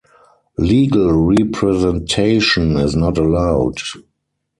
Legal representation is not allowed.